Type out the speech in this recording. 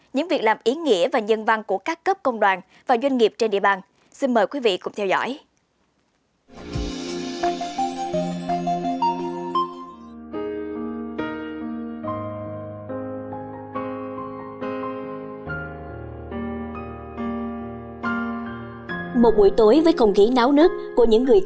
những việc làm ý nghĩa và nhân văn của các cấp công đoàn và doanh nghiệp trên địa bàn